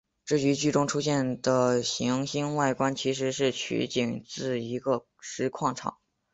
至于剧中出现的行星外观其实是取景自一个石矿场。